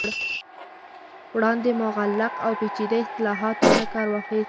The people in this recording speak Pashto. وړاندې مغلق او پیچیده اصطلاحاتو نه کار واخست